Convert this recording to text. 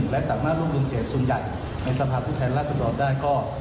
และสามารถรวมเสียงส่วนใหญ่ในสภาพภูเทนล่าสะดวกได้